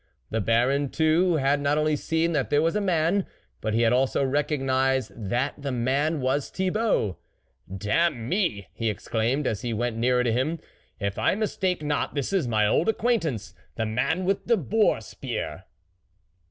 The Baron, too, had not only seen that there was a man, but had also recog nised that the man was Thibault. " Damn me !" he exclaimed, as he went nearer to him, " if I mistake not, this is my old acquaintance, the man with the boar spear